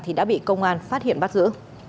thì đã bị công an phát hiện bắt giữ